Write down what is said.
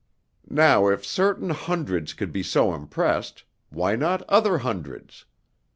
Now if certain hundreds could be so impressed, why not other hundreds?